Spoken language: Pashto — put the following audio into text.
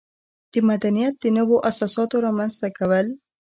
د مدنیت د نویو اساساتو رامنځته کول.